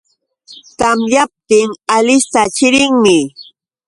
Tamyaptin Alista chirinmi